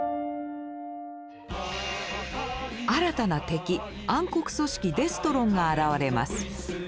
新たな敵暗黒組織デストロンが現れます。